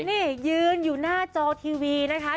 นี่ยืนอยู่หน้าจอทีวีนะคะ